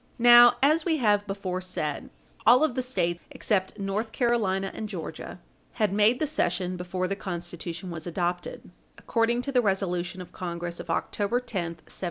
Now, as we have before said, all of the States except North Carolina and Georgia had made the cession before the Constitution was adopted, according to the resolution of Congress of October 10, 1780.